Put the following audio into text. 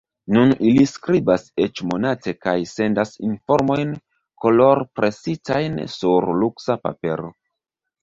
Nun ili skribas eĉ monate kaj sendas informojn kolorpresitajn sur luksa papero.